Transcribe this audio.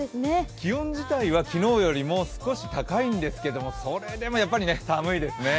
気温自体は昨日よりも少し高いんですけど、それでも、やっぱりね、寒いですね。